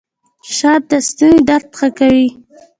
شات د ستوني درد ښه کوي